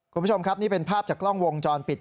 คุณผู้ชมครับนี่เป็นภาพจากกล้องวงจรปิด